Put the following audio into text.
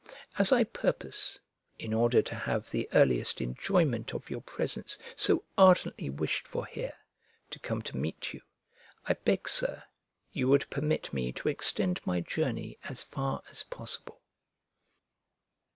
As I purpose (in order to have the earliest enjoyment of your presence, so ardently wished for here) to come to meet you, I beg, Sir, you would permit me to extend my journey as far as possible.